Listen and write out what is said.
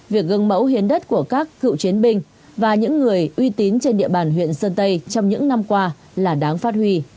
việc gương mẫu hiến đất của các cựu chiến binh và những người uy tín trên địa bàn huyện sơn tây trong những năm qua là đáng phát huy